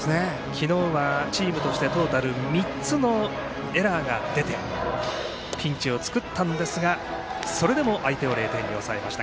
昨日はチームとしてトータル３つのエラーが出てピンチを作ったんですがそれでも相手を０点に抑えました。